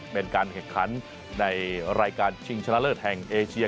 เป็นการแข่งขันในรายการชิงชนะเลิศแห่งเอเชีย